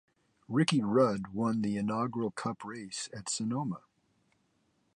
Ricky Rudd won the inaugural Cup race at Sonoma.